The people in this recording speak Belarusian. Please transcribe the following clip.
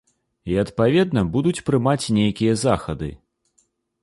І адпаведна будуць прымаць нейкія захады.